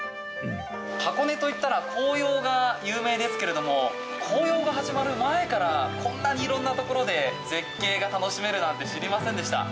箱根といったら紅葉が有名ですけれども紅葉が始まる前からこんなに色々なところで絶景が楽しめるなんて知りませんでした。